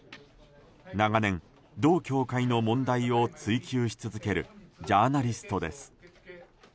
長年、同教会の問題を追求し続けるジャーナリストです。